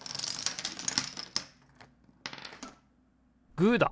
グーだ！